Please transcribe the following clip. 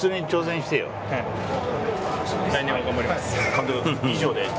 監督、もう以上で。